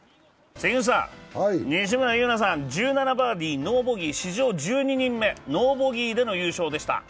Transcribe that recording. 西村優菜さん、１７バーディー、ノーボギー、史上１２人目、ノーボギーでの優勝でした。